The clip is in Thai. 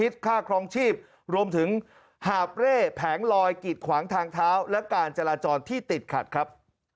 สวัสดีครับ